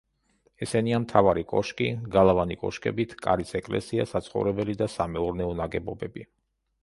ესენია: მთავარი კოშკი, გალავანი კოშკებით, კარის ეკლესია, საცხოვრებელი და სამეურნეო ნაგებობები.